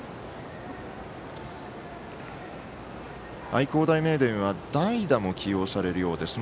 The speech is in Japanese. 愛工大名電は代打も起用されるようです。